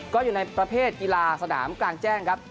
ก็อยู่ในประเภทกีฬาสนามกลางแจ้งครับ